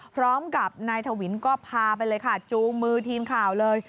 พร้อมกับนายทวินก็พาไปเลยค่ะจูงมือทีมข่าวเลย